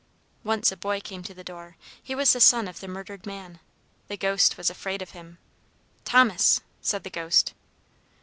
"Once a boy came to the door. He was the son of the murdered man. The Ghost was afraid of him. 'Thomas!' said the Ghost.